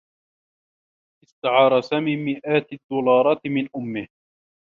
استعار سامي مئات الدّولارات من أمّه.